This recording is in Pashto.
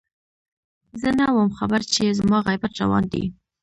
زه نه وم خبر چې زما غيبت روان دی